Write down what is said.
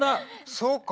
そうか。